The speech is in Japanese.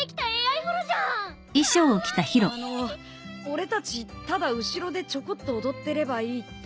俺たちただ後ろでちょこっと踊ってればいいって。